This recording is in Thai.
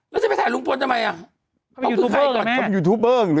แล้วจะไปถ่ายรุงพลทำไมอะเค้าเป็นยูทูเปอร์กหรอแม่